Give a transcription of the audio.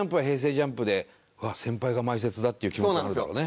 ＪＵＭＰで「うわっ先輩が前説だ」っていう気持ちもあるだろうね。